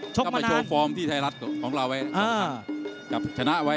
ชกมานาน